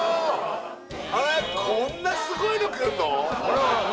えっこんなすごいのくるの？